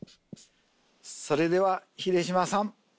それでは秀島さん。